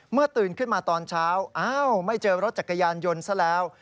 ตื่นขึ้นมาตอนเช้าอ้าวไม่เจอรถจักรยานยนต์ซะแล้ว